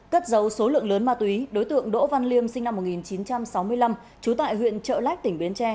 cất dấu số lượng lớn ma túy đối tượng đỗ văn liêm sinh năm một nghìn chín trăm sáu mươi năm trú tại huyện trợ lách tỉnh bến tre